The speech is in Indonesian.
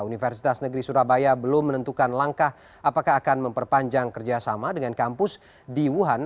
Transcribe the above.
universitas negeri surabaya belum menentukan langkah apakah akan memperpanjang kerjasama dengan kampus di wuhan